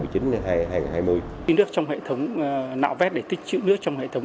khi nước trong hệ thống nạo vét để tích chữ nước trong hệ thống